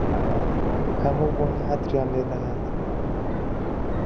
هەموو بۆنی عەتریان لێ دەهات.